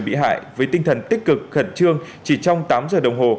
bị hại với tinh thần tích cực khẩn trương chỉ trong tám giờ đồng hồ